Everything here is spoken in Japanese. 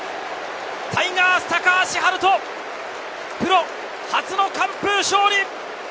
タイガース・高橋遥人、プロ初の完封勝利！